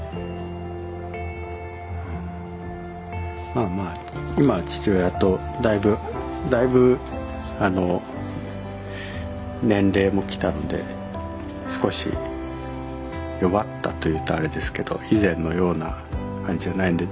まあまあ今は父親とだいぶだいぶあの年齢もきたので少し弱ったというとあれですけど以前のような感じじゃないんで。